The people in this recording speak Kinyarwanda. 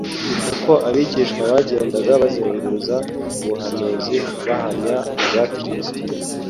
Uko abigishwa bagendaga bagenzura ubuhanuzi buhamya ibya Kristo